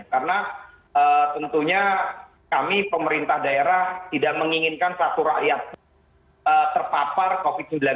karena tentunya kami pemerintah daerah tidak menginginkan satu rakyat terpapar covid sembilan belas